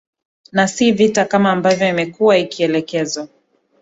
na si vita kama ambavyo imekuwa ikielezwa